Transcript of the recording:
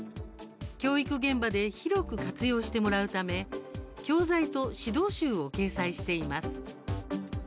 教育現場で広く活用してもらうため教材と指導集を掲載しています。